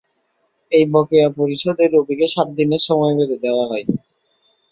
এই বকেয়া পরিশোধে রবিকে সাত দিনের সময় বেঁধে দেওয়া হয়।